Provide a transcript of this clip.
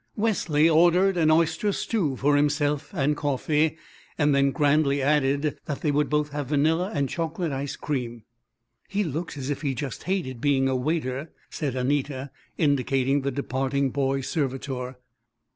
Wesley ordered an oyster stew for himself, and coffee, and then grandly added that they would both have vanilla and chocolate ice cream. "He looks as if he just hated being a waiter," said Anita, indicating the departing boy servitor.